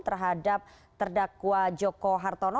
terhadap terdakwa joko hartono